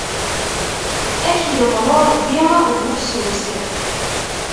Ad ak-iḍlu Ṛebbi bufsus!